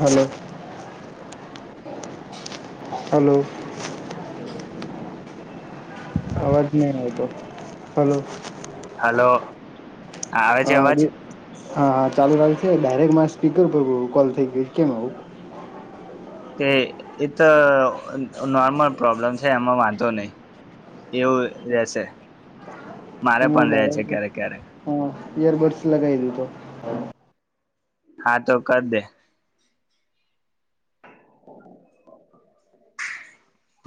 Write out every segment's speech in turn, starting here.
Hello. Hello. અવાજ નહા આવતો હલો. હલો. આવે છે હા અવાજ. બે હા હા ચાલુ રાખ્યું છે ડાયરેક્ટ મારા સ્પીકર પર કોલ થઈ ગયો કેમ આવું. કે એ તો નોર્મલ પ્રોબ્લમ છે એમાં વાંધો નહી એવું રેશે. તો મારે પણ રે છે ડાયરેક્ટ ક્યારેક ક્યારેક ઇયરબડ્સ લગાવી દીથો. [inaudible] હા, તો કરી દે.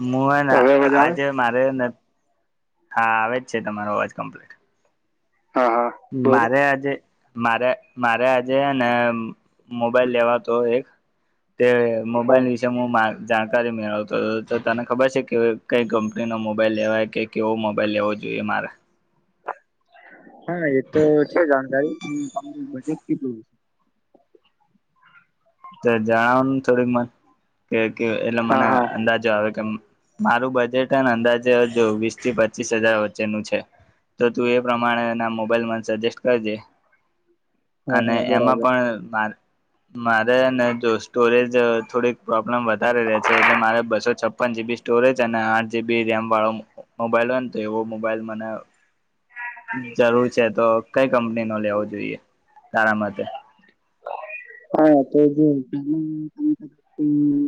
મુુહ હવે અવાજ આવે આજે મારે હા, આવે જ છે તમારો અવાજ કમ્પ્લીટ. હા હા બોલ મારે આજે.. મારે.. મારે આજે. ને મોબાઈલ લેવાતો. એક તે હા મોબાઈલ વિશે હું જાણકારી મેળવતો હતો. તને ખબર છે કે કઈ કંપની ન મોબાઈલ લેવાય, કે કેવો મોબાઈલ લેવો જોઈએ મારે? હા, એ તો છે જાણકારી. હ, તમારું બજેટ કેટલું હશે? કયા? એલા, હા મને હા અંદાજો આવે. મારું બજેટ, અને અંદાજે હજુ વીસ થી પચીસ હજાર વચ્ચેનું છે. તો તું એ પ્રમાણેના મોબાઈલમાં સજેસ્ટ કરજે. હા અને હા એમાં બરાબર પણ મારે જો સ્ટોરેજ થોડીક પ્રોબ્લેમ વધારે રે છે, એટલે મારે બસો છપ્પન જીબી સ્ટોરેજ અને આઠ જીબી રેમ વાળો મોબાઈલ હોય ને, તો એવો મોબાઈલ મને જરૂર છે. તો કઈ કંપની નો લેવો જોઈએ, તારા માટે? હા, તો જો ગેમ્સિ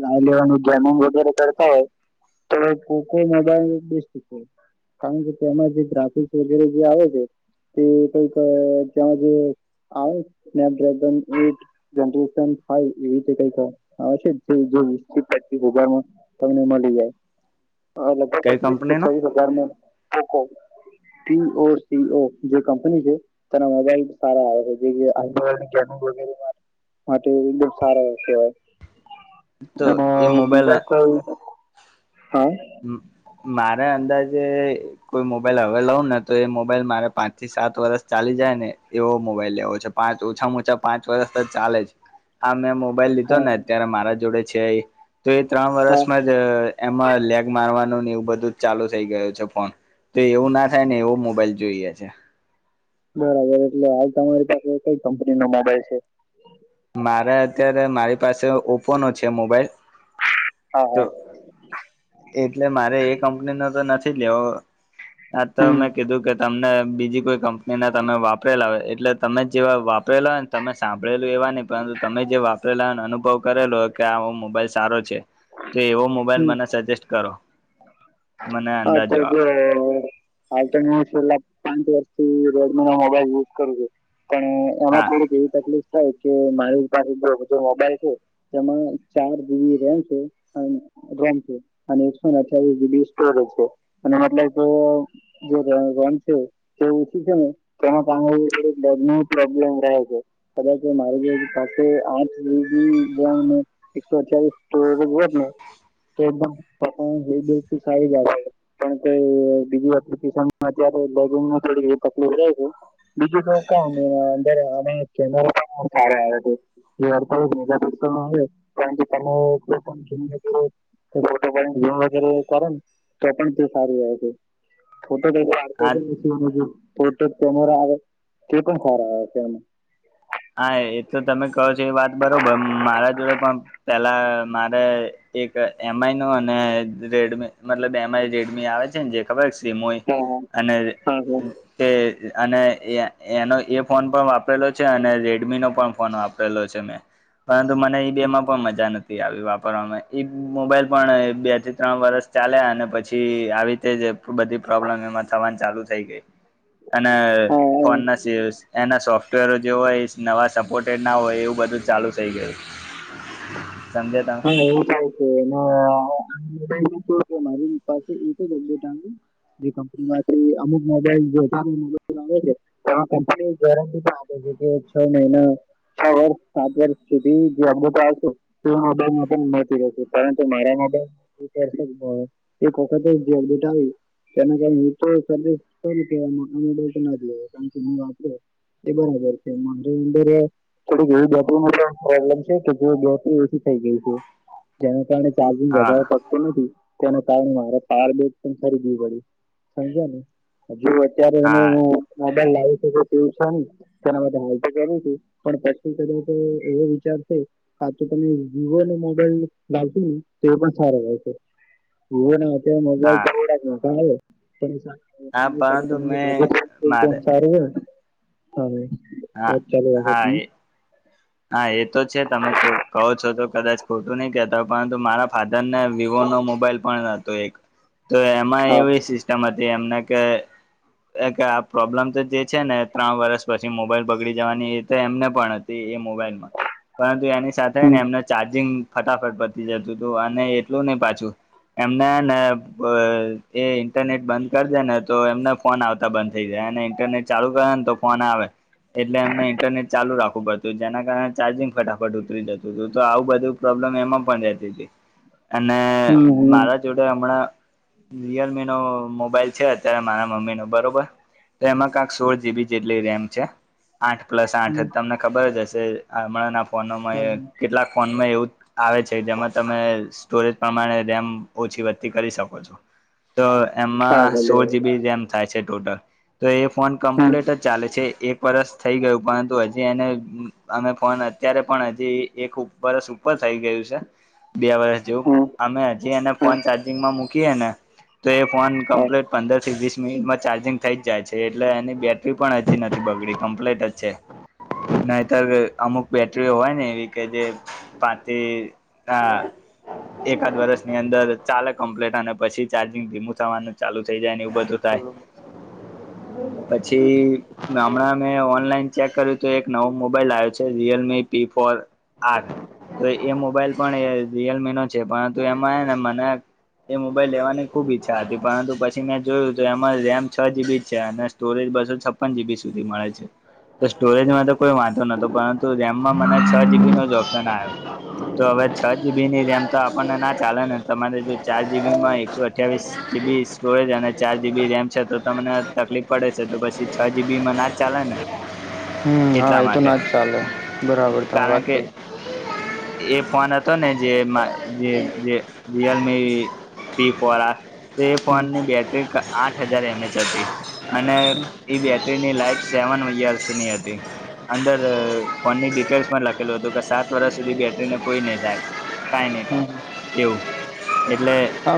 હોય, તો પોકો મોબાઈલ. કારણ કે, તેમાં જે ગ્રાફિક જે આવે છે, તે કંઈક ત્યા જે આવે, સ્નેપડ્રેગન એવી તે કંઈક આવે છે. તમને મળી જાય. હ લગભગ કઈ પચીસ પ કંપનીનો ચવીસ હજારમાં [unintelligible] ટી ઓ સી ઓ જે કંપની છે, તેના મોબાઈલ સારા આવે છે જેમ સાર તો અને એ મોબાઈલ બીજા કોઈ? હા મારે અંદાજે જે કોઈ મોબાઈલ હવે લઉં ને તો એ મોબાઈલ મારે પાંચ થી સાત વર્ષ ચાલી જાય ને એવો મોબાઈલ લેવો છે, પાંચ ઓછા માં ઓછા પાંચ વર્ષ ચાલે છે આ મે મોબાઈલ લીધો હા ને અત્યારે મારા જોડે છેએ તો એ ત્રણ હા વર્ષમાં જ એમાં લે્ મા એવું બધું જ ચાલુ થઈ ગયું છે, ફોન તો એવું ના થાય ને એવું મોબાઈલ જોઈએ છે. બરાબર એટલે હાલ તમારી પાસે કઈ કંપનીનો મોબાઈલ છે? મારે અત્યારે મારી પાસે ઓપોનો છે, મોબાઈલ હા તો હા એટલે મારે એ કંપનીનો તો નથી [unintelligible] હા, તો હમ મેં કીધું કે તમને બીજી કોઈ કંપનીના તમે વાપરેલા હોય એટલે તમે જેવા વાપરેલા હોય, ને તમે સાંભળેલું એવા નહી પરંતુ તમે જે વાપરેલા અનુભવ કરેલો હોય કે આ મોબાઈલ સારો છે, તો એવો મોબાઈલ હમ મને સજેસ્ટ કરો, મને હા તો અંદાજો જો આવે. છેલ્લા પાંચ વર્ષથી રેડમીનો મોબાઈલ યુઝ કરું છું. પણ, એમાં હા થોડીક એવી તકલીફ થ‌ઇ કે મારી પાસે સમજો મોબાઈલ છે. તેમાં ચાર જી બી રેમ છે. [inaudible] એકસો ને અઠ્ઠાવીસ જી બી સ્ટોરેજ છે અને મતલબ કે જે રેમ છે તે ઓછી છે ને તેના કારણે ટેબ ની પ્રોબ્લેમ રહે છે કદાચ એ મારી જે [inaudible] આઠ જી બી રેમ અને એકસો અઠ્ઠાવીસ સ્ટોરેજ હોય ને [unintelligible] [inaudible] ફોટો પાડીને [inaudible] તો પણ તે સારું રહે છે. આ [unintelligible] [inaudible] કેમેરા આવે તે પણ સારા આવે છે એમ. હા એ તો તમે કહો છો એ વાત બરોબર મારા જોડે પણ પેલા મારે એક એમઆઈ નું અને રેડમી મતલબ એમ આઈ રેડમી આવે છે ને જે ખબર છ. એમ હોય હા અને હા હા તે અને એ એનો એ ફોન પણ વાપરેલો છે અને રેડમી નો પણ ફોન વાપરેલો છે મેં પરંતુ મને ઈ બેમાં પણ મજા નથી આવી વાપરવાવામાં મોબાઈલ પણ બે જ ત્રણ વરષ ચાાલ્યા અને પછી આવી તે જ બધી પ્રોબ્લેમ એમાં થવાની ચાલુ થઈ ગઈ. અને હા ફોન ના સ એના સોફ તારા જેવો વોઇસ. નવા સપોર્ટેડ ના હોય એવું બધું ચાલુ થઈ ગયું. સમજે હા તમે એવું જાય છે એ આબાઈલ કે મારી પાસે એક જ એબજેટ આવ જે કંપનીમાંથી અમુક મોબલ આવે છે એમાં કની ગર પણ આપે છે કે છ મહિના છ વર્ષ સાત વર્ષ સુધી જે અટ આવશે [unintelligible] ેરીકતિ [unintelligible] થઈ ગય છે, જેના કારણે ચાર્જિંગ હા વધગાવવા પડતો નથી. તેના કારણે મારે પાર બેટ પણરી દ પડ્યું, સમજ ને હજુ અત્યારે હા હ લાવી શ તેવું છે ને, તેના બધ હ તો કરું હતું, પણ પછી કા તો એવો વિચાર છે, આ તો તમે વિવો નો મોબાઈલ લાવશું ને તો પણ સારો આવેશે, વિવો ના મ મોબાઈલ હા ડક ક [unintelligible] પરેશાન હા પરંતુ કા ત મેં બજ મારે પંચા રહ [unintelligible] [unintelligible] હા બત ચાલુ છ હા તને. એ હા એ તો છે તમે કહો છો તો કદાચ ખોટું નહી કહેતા હો પરંતુ મારા ફાધર ને વિવો નો મોબાઈલ પણ હતો એક. તો એમાં હા એવી સિસ્ટમ હતી એમ કે આ પ્રોબ્લેમ તો જે છે ને ત્રણ વર્ષ પછી મોબાઈલ બગડી જવાની એ એમને પણ હતી એ મોબાઈલમાં, પરંતુ એની સાથે ને હમ એમને ચાર્જિંગ ફટાફટ પતી જતું હતું અને એટલું નહ પાછું એમને ને એ. નેટ બંધ કર દે ને તો એમને ફોન આવતા. બંધ થઈ જાય અને ઇન્ટરનેટ ચાલુ કરે ને તો ફોન આવે એટલે એમને ઇન્ટરનેટ ચાલુ રાખવું પડ. તો જેના કારણે ચાર્જિંગ ફટાફટ ઉતરી જતું હતું તો આવું બધું. પ્રોબ્લેમ એમાં પણ રહેતી હતી અને હમ મારા જોડે હમણાં. રિયલમી નો મોબાઈલ છે અત્યારે મારા મમ્મી નો બરોબર એમાં કંક સોળ જીબી જેટલી રેમ છે. આઠ પ્લસ આઠ હમ તમને. જ આપ. ફોનમાં કેટલાક ફોનમાં એવું. આવે છે જેમાં તમે સ્ટોરેજ પ્રમાણે રેમ. ઓછી વધતી કરી શકો છો તો હા એમાં હેલો સોળ જીબી રેમ થાય છે. ટોટા તો એ. ફોન હમ કમ્પ્લીટ જ ચાલે છે એક વરસ. થઈ ગયું પણંત હજ. એ અમે ફોન અત્યારે પણ હજી એક બરસ ઉપર થઈ ગયું છે. બે વર્ષ જેવ હમ અમે હજી એને હા ફોન ચાર્જિંગમાં મુકી. કે એને? તો એ ફોન હા કમ્પ્લીટ પંદર થી વીસ મિનિટમાં ચાર્જિંગ થઈ જ જાય છે, એટલે એની બેટરી પણ હજી નથી બગડી, કમ્પ્લીટ જ છે. ત્યારે અમુક બેટરીઓ હોય ને, એવી કે જે પાચ હા, એકાદ વર્ષની અંદર ચાલે કમ્પ્લીટ, અને પછી ચાર્જિંગ ધીમું થવાનું ચાલુ થઈ જાય. એવું બધું થાય. પછી હમણાં મે ઓનલાઈન ચેક કર્યું. તો એક નવો મોબાઈલ આવ્યો છે, રિયલમી પી ફોર આર. તો એ મોબાઈલ પણ એ રિયલમીનો છે. પરંતુ એમાં ને મને એ મોબાઈલ લેવાની ખૂબ ઈચ્છા હતી. પરંતુ પછી મેં જોયું, તો એમાં રેમ છ જીબી છે અને સ્ટોરેજ બસો છપ્પન જીબી સુધી મળે છે. તો સ્ટોરેજમાં તો કોઈ વાંધો નહતો, પરંતુ રેમમાં મને છ જીબી ન જ ઓપ્શન આવ્યો. તો હવે છ જીબી ની રેમ તો આપણને ના ચાલે ને? તમારે જો ચાર જીબીમાં એકસો અઠવીસ જીબી સ્ટોરેજ અને ચાર જીબી રેમ છે, તો તમને તકલીફ પડે છે. તો પછી છ જીબીમાં ના જ ચાલે ને. હમ, હા, એટલા એ તો માટે ના જ ચાલે. બરાબર, તમે કારણ વાત કે કહી. એ ફોન હતો ને, જે જે રિયલમી પી ફોર આ. તો એ હમ ફોનની બેટરી આઠ હજાર એમએચ હતી અને એ બેટરીની લાઈફ સેવન યર્સની હતી. અંદર ફોનની ડિટેલ્સમાં લખેલું હતું કે, સાત વર્ષ સુધી બેટરીને કોઈ નહી થાય, કંઈ નહીં હમ થાય એવું. એટલે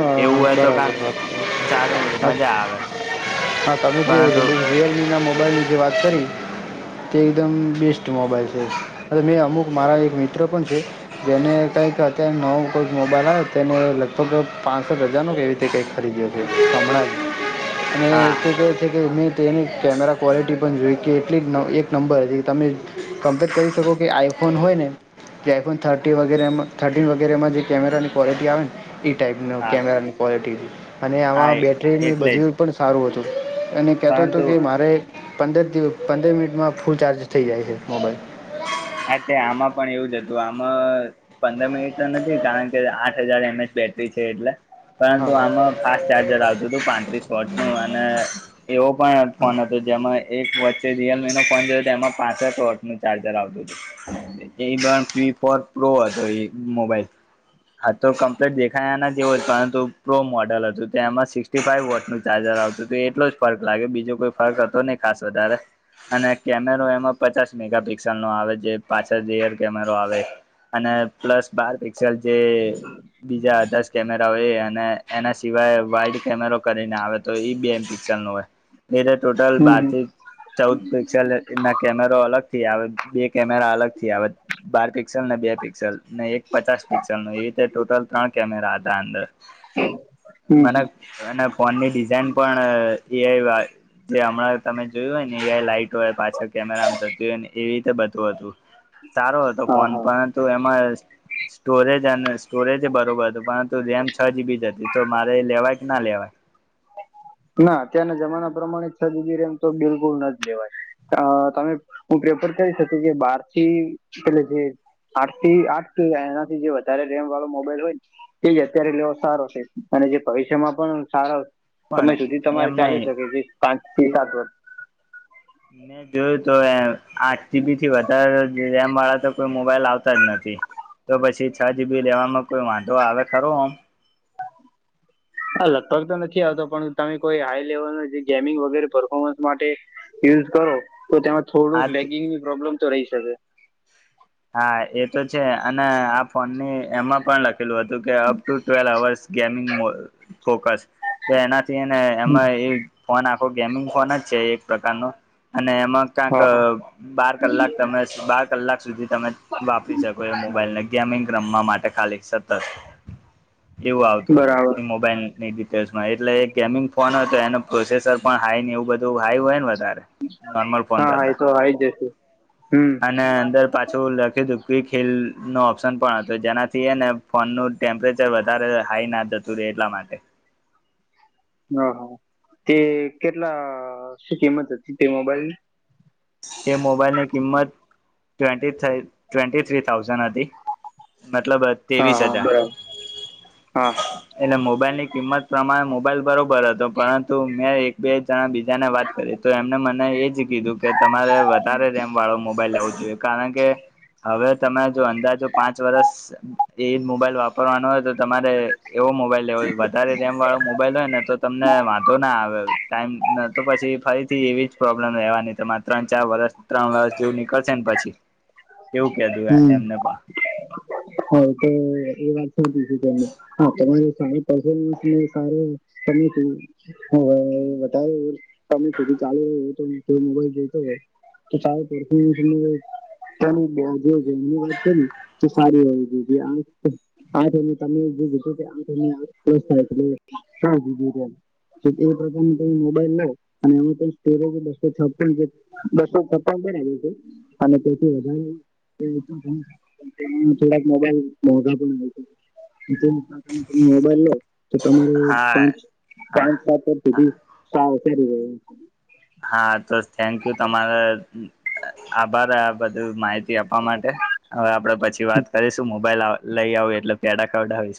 હા એવું હોય તો કાંક બરાબર સારું મજા આવે હા ત જે પરંતુ રિયલમીના મો [inaudible] ની જે વાત કરી તે એકદમ બેસ્ટ મોબાઈલ છે મેં અમુક મારા એક મિત્ર પણ છે, જેને કાંઈક અત્યારે નવો જ મોબાઈલ આવ્યો. તેને લગભગ પાંચ રજા નો કેવી રીતે કંઈક ખરીદ્યો છે હમણાં જ. અને હા શું કહે છે કે. તે એની કેમેરા ક્વૉલિટી પણ જોઈ કે, એટલી ન એક નંબર હતી. તમે કમ્પેર કરી શકો કે, આઈફોન હોય ને, જે આઈફોન થર્ટી વગેરેમાં થર્ટીન વગેરેમાં જે કેમેરાની ક્વૉલિટી આવે ને, એ ટાઈપ હા કેમેરાની ક્વાલિટી હતી. અને હા આમાં બેટરીની એટલે જ બધી પણ સારું હતું. એને કેત તો પરંતુ કે મારેારે. પંદર દિવસ પંદર મિનિટમાં ફૂલ ચાર્જ થઇ જાય છે મોબાઈલ. હા તે આમાં પણ એવું જ હતું. તો આમાં પંદર મિનિટ તો નથી કારણ કે આઠ હજાર એમ એચ બેટરી છે એટલે. હા પરંતુ હા આમાં ફાસ્ટ ચાર્જર આવતું હતું પાંત્રીસ વોટ નું અને એવો પણ હા ફોન હતો જેમાં. એક વચ્ચે રિયલમી નો ફોન જોયો તો એમાં પાંસઠ વર્ષનું ચાર્જર આવતું હતું. એ પણ ફી ફોર પ્રો હતો એ મોબાઈલ આ તો કમ્પ્લીટ દેખાયા ના એવો જ પરંતુ પ્રો મોડલ હતું તે એમાં સિક્ ફાઈવ વોટ નું ચાર્જર આવતું હતું એટલો જ ફર્ક લાગે બીજો કોઈ ફર્ક હતો નહી ખાસ વધારે અને કેમેરો એમાં પચાસ મેગા પિક્સલ નો આવે જે પાછા રયર કેમેરો આવે અને પ્લસ બાર પિકસેલ જે બીજા દસ કેમેરા હોય એ અને એના સિવાય વાઈડ કેમેરો કરીને આવે તો એ બે પિક્સલ નું હોય. એરે ટોટલ હમ બાર હમ થી ચૌદ પિક્સેલ ના કેમેરો અલગ, થી આવે બે. કેમેરા અલગ થી આવે બાર પિક્સલ ને બે પિક્સલ ને એક પચાસ પિક્સલ ન એવી રીતે ટોટલ ત્રણ કેમેરા હતા અંદર. હમ મને હમ મ. ફોન ની ડિઝાઇન પણ એઆઈ જે હમણાં તમે જોયું હોય ને એઆઈ લાઈટ હોય પાછા કેમેરા થતી હોય ને એવી રીતે બધ. તો હતું. સારો હતો હા ફોન હા પર એમ. સરેજ અને સ્ટોરેજ બરોબર હત પરંતુ રેમ છ જીબી હતી તો મારે લેવાય કે ના લેવાય. ના અત્યારના જમાના પ્રમાણે છ જુજી રેમ તો બિલકુલ ન જ લેવાય તમે હું પ્રેફર કરી શક કે બાર થી એટલે જે આઠ થી આઠ એનાથી જે વધારે રેમ વાળો મોબાઈલ હોયને એ જ અત્યારે લેવો સારો છે અને જે પવિષમાં પણ સારા સમય પણ સુધી તમારે એમ નહી ચાલી શકે પાંચ [inaudible] ને જો તો એ આઠ ટીબી થી વધારે રેમ વાળા તો કોઈ મોબાઈલ આવતા જ નથી તો પછી છ જીબી લેવામાં કોઈ વાંધો આવે ખરો ઓમ હા લગભગ તો નથી આવતો પણ તમે કોઈ હાઈ લેવલ ન જે ગેમિંગ વગેરે પરફોર્મન્સ માટે યુઝ કરો તો તેમાં થોડુંક હાથ લેગિંગની પ્રોબ્લમ તો રેય સકે ફને એમાં પણ લખેલું હતું કે up to twelve hours gaming focus તો એનાથી ને એમાં એ ફોન આ ગેમિંગ ફોન જ છે એક પ્રકાર નો અને માં ક્યાંક હા હા બાર કલાક તમે બાર કલાક સુધી વાપરી શકો એ મોબાઈલ ને ગેમ મિંગ રમવા માટે ખાલી સતત એવું આવતું હતું બરાબર એ મોબાઈલ ની કેસમાં એટલે એક ગેમિંગ ફોન હતો એનો પ્રોસેસર પણ હાઈ ને એવું બધું હાઈ હોય વધારે નોર્મલ ફોન હા હા કરતા એતો આવી જશે હમ કીધુ કે ખીલ નો ઓપ્શન પણ હતો જેનાથી એને ફોનનું ટેમ્પરેચર વધારે હાઈ ના જતું રે એટલા માટે હ હા તે કેટલા કિમત હતી તે મોબાઈલની કે મોબાઈલની કિંમત ટ્વેન્ટી ટ્વેન્ટી થ્રી ઠાઉન્સંડ હતી મતલબ હા ત્રેવીસ હા હજાર બરાબર હા અને મોબાઈલ ની કિંમત પ્રમાણે મો મોબાઈલ બરોબર હતો પરંતુ મેં એક બે જણા બીજા ને વાત કરી તો એમને મને એજ કીધું કે તમારે વધારે રેમ વાળો મોબાઈલ લેવો જોઈએ કારણ કે હવે તમે જો અંદાજો પાંચ વરષ એજ મોબાઈલ વાપરવાનો હોય તો તમારે એવો મોબાઈલ લેવો વધારે રેમ વાળો મોબાઈલ હોય ને તો તમને વાંધો ના આવે ટાઈમ તો પછી ફરીથી એવી જ પ્રોબ્લેમ રહેવાની તમા ત્રણ ચાર વરષ ત્રણ વરષ જેવું નીકળશે ને પછી. એવું કધું હમ એમને પણ હ તો એ વાત [unintelligible] [unintelligible] [unintelligible] થોડાક મોબાઈલ મોઘા પણ તમે મોબાઈલ લો તો તમારે હા પાંચ હા પાંચ સાત સુધી સા સ [unintelligible] હા તો થેન્ક યુ તમારે આભાર આ બધું માહિતી આપવા માટે, હવે આપડે પછી વાત કરીશું મોબાઈલ લઈ આવું એટલે કેડા ખવડાવિશ.